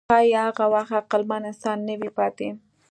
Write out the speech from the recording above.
ښایي هغه وخت عقلمن انسان نه وي پاتې.